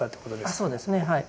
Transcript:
ああそうですねはい。